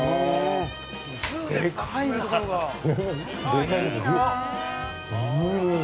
◆でかいな。